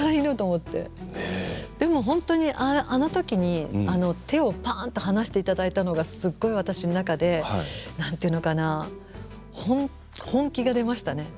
ってでも本当にあのときに手をパンと離していただいたのがすごく私の中でなんて言うのかな本気が出ましたね。